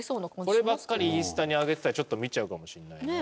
こればっかりインスタに上げてたらちょっと見ちゃうかもしれないな。